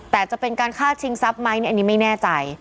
แต่จะเป็นการฆ่าชิงทรัพย์ไหมอันนี้ไม่แน่ใจ